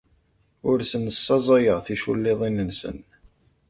Ur asen-ssaẓayeɣ ticulliḍin-nsen.